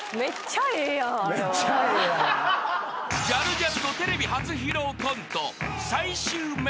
［ジャルジャルのテレビ初披露コント］